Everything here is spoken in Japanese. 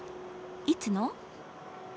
いつの？